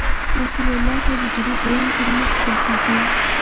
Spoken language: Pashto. رسول الله ته د درود ویونکي نوم اخیستل کیږي